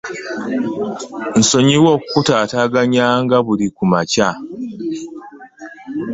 Nsonyiwa okukutataganya nga buli kumakya.